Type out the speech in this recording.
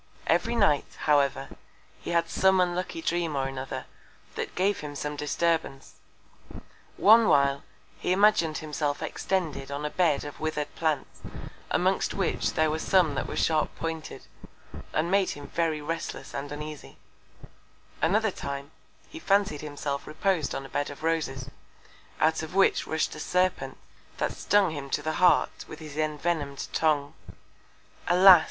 Every Night, however, he had some unlucky Dream or another, that gave him some Disturbance. One while, he imagin'd himself extended on a Bed of wither'd Plants, amongst which there were some that were sharp pointed, and made him very restless and uneasy; another Time, he fancied himself repos'd on a Bed of Roses, out of which rush'd a Serpent, that stung him to the Heart with his envenom'd Tongue. Alas!